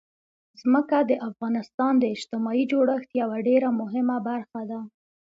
ځمکه د افغانستان د اجتماعي جوړښت یوه ډېره مهمه برخه ده.